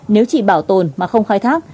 nếu chỉ bảo tồn mà không khai thác